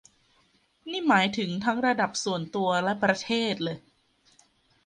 นี่หมายถึงทั้งระดับส่วนตัวและประเทศเลย